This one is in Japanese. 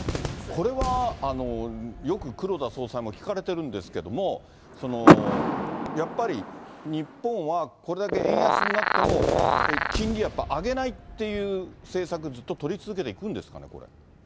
これはよく黒田総裁も聞かれてるんですけども、やっぱり日本は、これだけ円安になっても、金利はやっぱ上げないっていう政策、ずっと取り続けていくんですかね、これ。